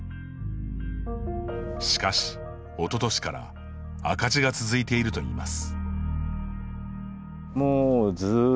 しかし、おととしから赤字が続いているといいます。